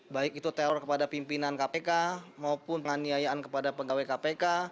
baik itu teror kepada pimpinan kpk maupun penganiayaan kepada pegawai kpk